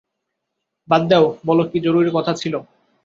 বাদ দেও, বলো, কী জরুরি কথা ছিল?